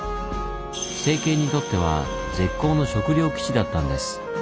政権にとっては絶好の食料基地だったんです。